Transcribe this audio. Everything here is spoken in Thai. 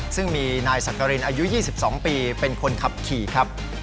ซึ่งมีนายสักกรินอายุ๒๒ปีเป็นคนขับขี่ครับ